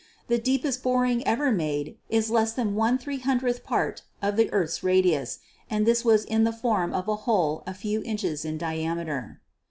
The deepest boring ever made is less than one three hundredth part of the earth's radius, and this was in the form of a hole a few inches in diameter.